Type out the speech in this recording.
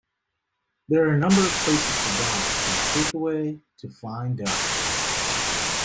There are a number of places to dine, from Takeaway to fine dining.